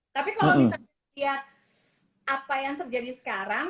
tapi kalau misalnya lihat apa yang terjadi sekarang